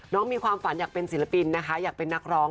มีความฝันอยากเป็นศิลปินนะคะอยากเป็นนักร้อง